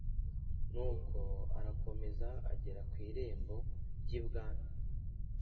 nuko arakomeza agera ku irembo ry’ibwami,